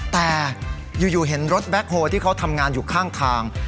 แต่อยู่เห็นรถแบ็คโฮที่เขาทำงานอยู่ข้างทาง